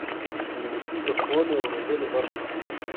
انګلیسي د ښوونې او روزنې برخه ده